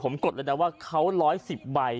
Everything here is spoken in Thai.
ผมกดเลยนะว่าเขา๑๑๐ใบ